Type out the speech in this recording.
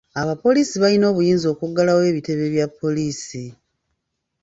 Abapoliisi balina obuyinza okuggalawo ebitebe bya poliisi.